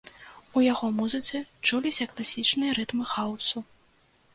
У яго музыцы чуліся класічныя рытмы хаўсу.